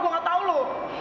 gue gatau lu